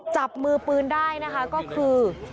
จับมือปืนได้นะคะก็คือ